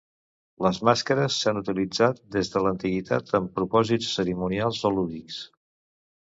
Les màscares s'han utilitzat des de l'antiguitat amb propòsits cerimonials o lúdics.